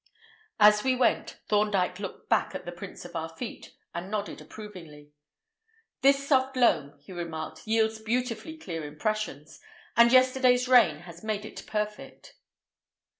As we went, Thorndyke looked back at the prints of our feet, and nodded approvingly. "This soft loam," he remarked, "yields beautifully clear impressions, and yesterday's rain has made it perfect."